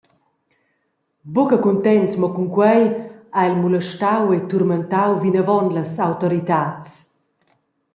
Buca cuntents mo cun quei, ha el mulestau e turmentau vinavon las autoritads.